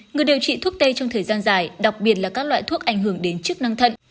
người điều trị thuốc tây trong thời gian dài đặc biệt là các loại thuốc ảnh hưởng đến chức năng thận